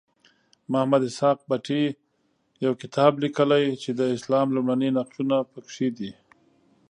محمد اسحاق بټي یو کتاب لیکلی چې د اسلام لومړني نقشونه پکې دي.